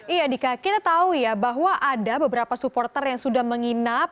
iya dika kita tahu ya bahwa ada beberapa supporter yang sudah menginap